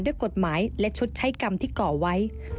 ด้วยกฎหมายและชดใช้กรรมที่ก่อไว้